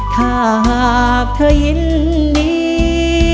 ถ้าหากเธอยินดี